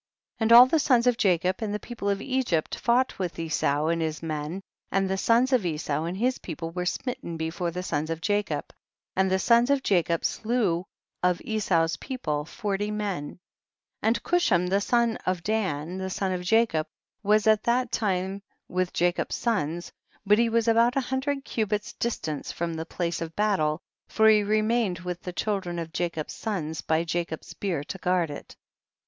And all the sons of Jacob and the people of Egypt fought with Esau and his men, and the sons of Esau and his people were smitten before the sons of Jacob, and the THE BOOK OF JASHER. 185 sons of Jacob slew of Esau's people forty men. 62. And Chushim the son of Dan, llie son of Jacob, was at that time will] Jacob's sons, but he was about a hundred cubits distant from the place of battle, for he remained with the children of Jacob's sons by Jacob's bier to guard it.